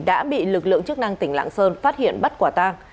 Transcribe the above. đã bị lực lượng chức năng tỉnh lạng sơn phát hiện bắt quả tang